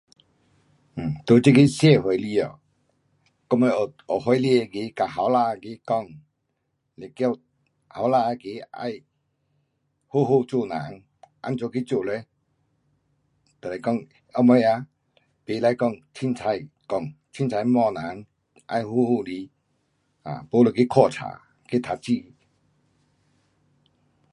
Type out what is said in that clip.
um 在这个社会里 um 到尾有岁数那个跟年轻的去讲，是叫年轻的要好好做人，怎样去做嘞,就是讲什么呀不可讲随便讲，随便骂人，要好好来。um 好了去看书，去读书。